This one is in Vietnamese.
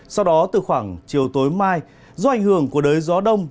sau đó từ khoảng chiều tối mai do ảnh hưởng của đới gió đông